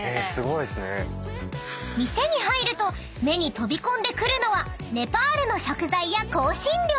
［店に入ると目に飛び込んでくるのはネパールの食材や香辛料］